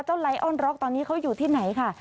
ไลออนร็อกตอนนี้เขาอยู่ที่ไหนค่ะ